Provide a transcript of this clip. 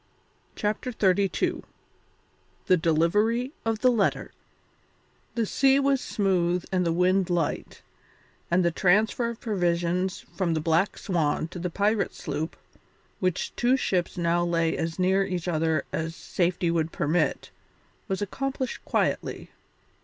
CHAPTER XXXII THE DELIVERY OF THE LETTER The sea was smooth and the wind light, and the transfer of provisions from the Black Swan to the pirate sloop, which two ships now lay as near each other as safety would permit, was accomplished quietly.